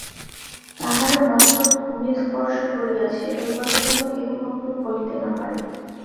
তাঁহারও মস্তক ভূমিস্পর্শ করিয়াছে, এ কথা যেন কেহ কখনও বলিতে না পারে।